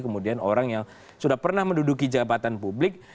kemudian orang yang sudah pernah menduduki jabatan publik